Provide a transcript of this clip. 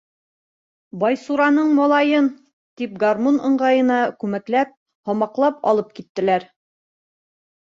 Байсураның малайын! — тип гармун ыңғайына күмәкләп, һамаҡлап алып киттеләр.